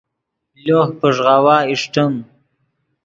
لوہ پݱغاؤا اݰٹیم